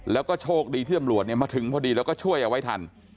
แล้วก็โชคดีที่ตำรวจมาถึงพอดีแล้วก็ช่วยเอาไว้ทัน